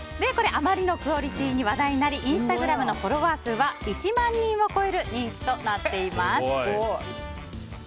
あまりのクオリティーに話題になりインスタグラムのフォロワー数は１万人を超える人気となっています。